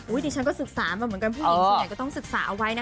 อุ้ยนี่ฉันก็ศึกษามาเหมือนกันผู้หญิงสมัยก็ต้องศึกษาเอาไว้นะคะ